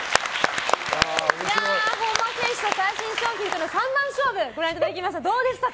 本間選手と最新商品との３番勝負ご覧いただきましたがどうでしたか？